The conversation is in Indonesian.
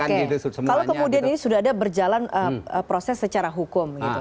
kalau kemudian ini sudah ada berjalan proses secara hukum gitu